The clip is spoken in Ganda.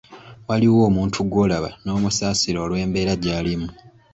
Waliwo omuntu gw’olaba n’omusasira olw’embeera gy’alimu.